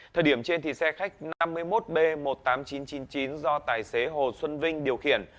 thời điểm trên xe khách năm mươi một b một mươi tám nghìn chín trăm chín mươi chín do tài xế hồ xuân vinh điều khiển